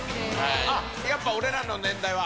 やっぱ俺らの年代は。